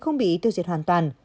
không bị tiêu diệt hoàn toàn